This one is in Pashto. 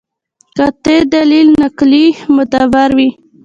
قاطع دلیل نقلي معتبر وي.